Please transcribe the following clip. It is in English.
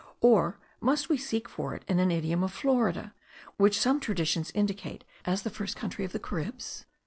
or must we seek for it in an idiom of Florida, which some traditions indicate as the first country of the Caribs?)